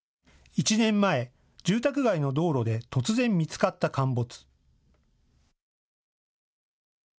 １年前、住宅街の道路で突然見つかった陥没。